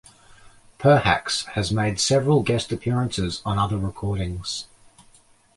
Perhacs has made several guest appearances on other recordings.